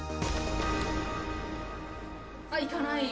あっいかないよ。